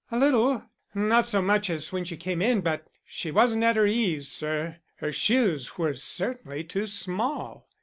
"A little. Not so much as when she came in. But she wasn't at her ease, sir. Her shoes were certainly too small."